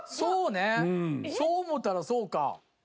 そう思たらそうか。